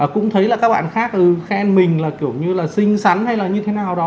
cũng thấy là các bạn khác khen mình là kiểu như là xinh xắn hay là như thế nào đó